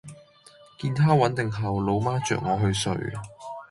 見她穩定後，老媽著我去睡